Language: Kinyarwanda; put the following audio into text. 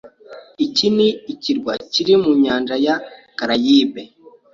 Iki ni ikirwa kiri mu nyanja ya Karayibe.